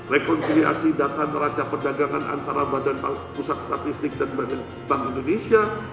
rekonsiliasi data neraca perdagangan antara badan pusat statistik dan bank indonesia